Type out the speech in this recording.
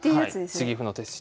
はい継ぎ歩の手筋。